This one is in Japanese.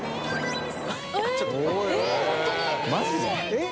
えっ？